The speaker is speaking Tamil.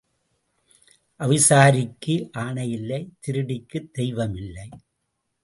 அவிசாரிக்கு ஆணை இல்லை திருடிக்குத் தெய்வம் இல்லை.